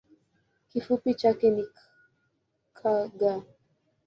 Kifupi chake ni kg.